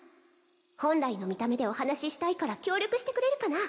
本来の見た目でお話したいから協力してくれるかな？